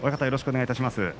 よろしくお願いします。